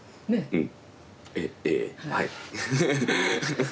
うん。